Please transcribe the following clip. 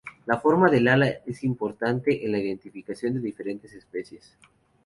La forma del ala es importante en la identificación de diferentes especies.